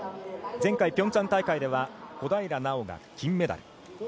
前回ピョンチャン大会では小平奈緒が金メダル。